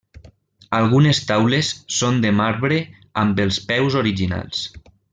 Algunes taules són de marbre amb els peus originals.